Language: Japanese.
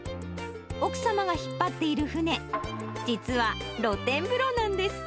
奥様が引っ張っている舟、実は露天風呂なんです。